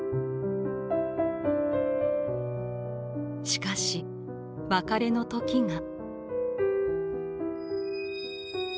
しかし別れの時が。